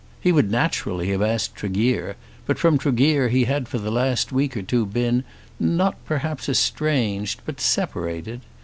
He would naturally have asked Tregear, but from Tregear he had for the last week or two been, not perhaps estranged, but separated.